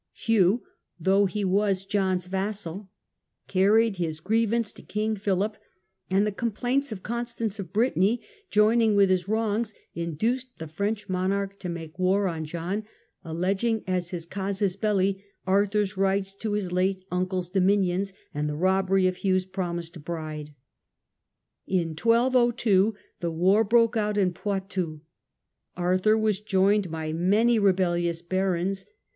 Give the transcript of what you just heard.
Hugh, though he was John's vassal, carried his grievance to King Philip, and tie complaints of Constance of Brittany, joining with his wrongs, induced the French monarch to make war on John, alleging as his aisus belli Arthur's rights to his late uncle's dominions, and the robbery of Hugh's promised bride. In 1 202 the war broke out in Poitou. Arthur was joined by many rebellious barons.